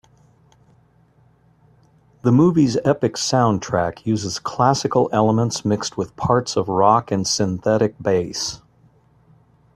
The movie's epic soundtrack uses classical elements mixed with parts of rock and synthetic bass.